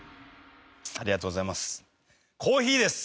ありがとうございます。